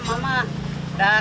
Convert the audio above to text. saya kira bukan bom lah